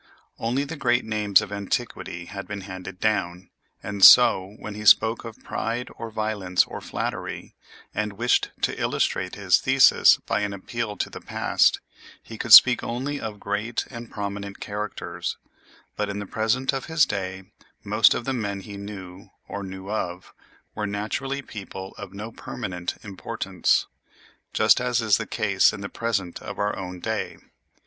Only the great names of antiquity had been handed down, and so, when he spoke of pride or violence or flattery, and wished to illustrate his thesis by an appeal to the past, he could speak only of great and prominent characters; but in the present of his day most of the men he knew, or knew of, were naturally people of no permanent importance—just as is the case in the present of our own day.